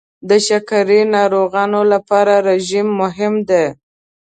د شکرې ناروغانو لپاره رژیم مهم دی.